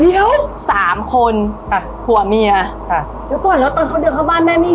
เดี๋ยวสามคนอ่ะผัวเมียอ่ะแล้วตอนแล้วตอนเขาเดินเข้าบ้านแม่ไม่